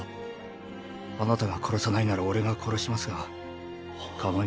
あなたが殺さないなら俺が殺しますがかまいませんね？